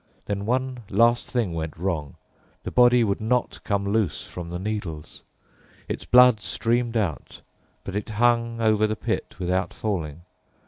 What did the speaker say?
Then one last thing went wrong: the body would not come loose from the needles. Its blood streamed out, but it hung over the pit without falling.